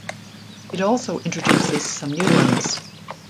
It also introduces some new ones.